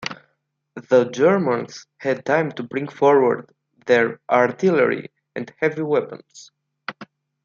The Germans had time to bring forward their artillery and heavy weapons.